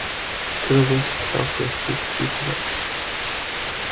To the west-southwest is Quetelet.